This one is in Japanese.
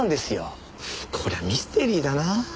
こりゃミステリーだなぁ。